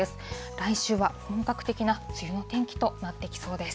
来週は本格的な梅雨の天気となってきそうです。